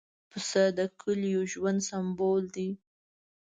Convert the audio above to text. پسه د کلیو ژوند سمبول دی.